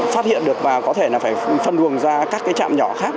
phát hiện được và có thể là phải phân đường ra các trạm nhỏ khác